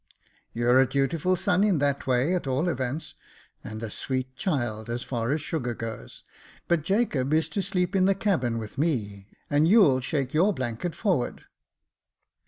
You're a dutiful son in that way, at all events ; and a sweet child, as far as sugar goes ; but Jacob is to sleep in the cabin with me, and you'll shake your blanket forward."